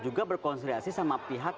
juga berkonsiliasi sama pihak